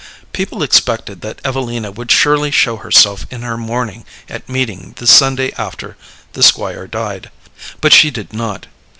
People expected that Evelina would surely show herself in her mourning at meeting the Sunday after the Squire died, but she did not.